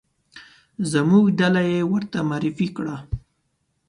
زموږ ډله یې ورته معرفي کړه.